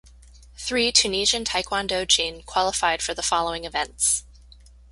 Three Tunisian taekwondo jin qualified for the following events.